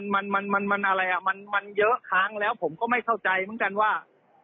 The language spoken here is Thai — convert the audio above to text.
มันเยอะค้างแล้วผมก็ไม่เข้าใจเหมือนกันว่า